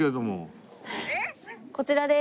こちらです。